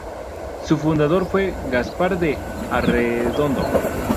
Su fundador fue Gaspar de Arredondo.